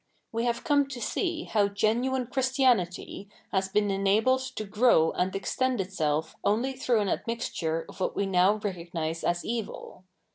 We have come to see how genuine Christianity has been enabled to grow and extend itself only through an admixture of what we fioiv recognise as evil.